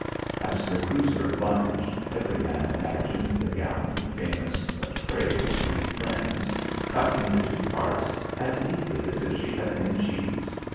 As the cruiser lunged every man imagined the gallant and famous but frail Three Friends cut into two parts as neatly as if she had been cheese.